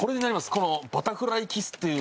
このバタフライキスっていう。